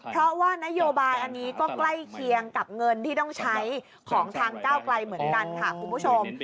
เพราะว่านโยบายอันนี้ก็ใกล้เคียงกับเงินที่ต้องใช้ของทางก้าวไกลเหมือนกันค่ะคุณผู้ชม